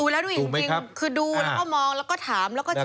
ดูแล้วดูอีกคือดูแล้วก็มองแล้วก็ถามแล้วก็เช็ค